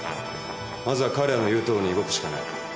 まずは彼らの言うとおりに動くしかない。